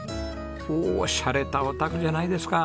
おおしゃれたお宅じゃないですか。